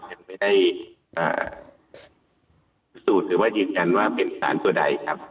ยังไม่ได้พิสูจน์หรือว่ายืนยันว่าเป็นสารตัวใดครับ